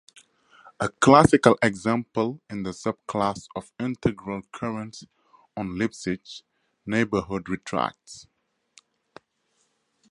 A classical example is the subclass of integral currents on Lipschitz neighborhood retracts.